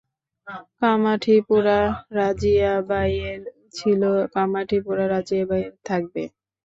কামাঠিপুরা রাজিয়াবাইয়ের ছিলো, কামাঠিপুরা রাজিয়াবাইয়ের থাকবে।